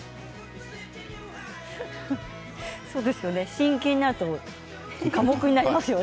真剣になると寡黙になりますよね。